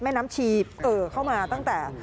แม่น้ำชีเอ่อเข้ามาตั้งแต่